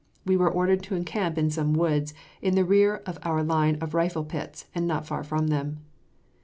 We were ordered to encamp in some woods in the rear of our line of rifle pits, and not far from them.